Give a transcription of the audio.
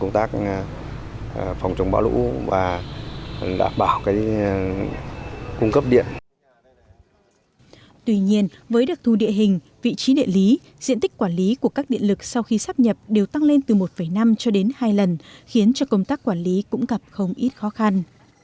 tuy nhiên với đặc thù địa hình vị trí địa lý diện tích quản lý của các điện lực sau khi sắp nhập đều tăng lên từ một năm cho đến hai lần khiến cho công tác quản lý cũng gặp không ít khó khăn